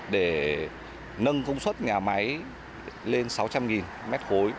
để nâng công suất nhà máy lên sáu trăm linh m ba